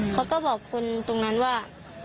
เขาก็บอกคนตรงนั้นว่า